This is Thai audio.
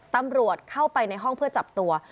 ตำรวจเข้าไปในห้องเพื่อจับตัว